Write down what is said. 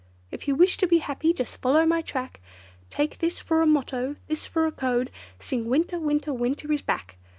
If you wish to be happy, just follow my track, Take this for a motto, this for a code, Sing 'winter, winter, winter is back!